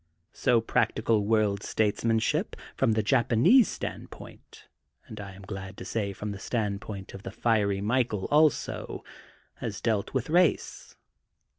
So practical world statesmanship, from the Japanese standpoint and I am glad to say, from the standpoint of the fiery Michael also, has dealt with race.